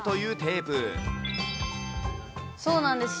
そうなんです。